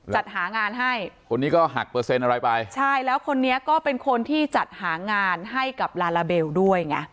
จัดหางานให้คนนี้ก็หักเปอร์เซ็นต์อะไรไปใช่แล้วคนนี้ก็เป็นคนที่จัดหางานให้กับลาลาเบลด้วยไง